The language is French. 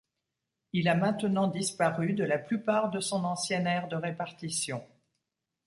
Il a maintenant disparu de la plupart de son ancienne aire de répartition.